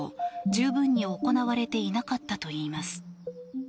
十分に行われていなかったといいます。